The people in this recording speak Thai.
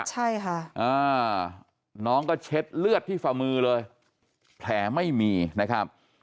ใช่ค่ะน้องก็เช็ดเลือดที่ฝ่ามือเลยแผลไม่มีนะครับ